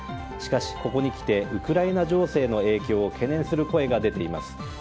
しかし、ここにきてウクライナ情勢の影響を懸念する声が出ています。